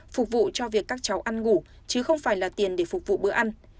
phục vụ cho việc các cháu ăn ngủ chứ không phải là tiền để phục vụ bữa ăn